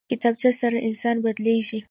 کتابچه سره انسان بدلېږي